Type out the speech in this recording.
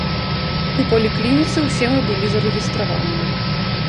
У паліклініцы ўсе мы былі зарэгістраваныя.